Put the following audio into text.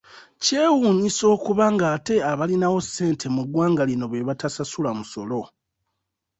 Kyewuunyisa okuba nga ate abalinawo ssente mu ggwanga lino be batasasula musolo.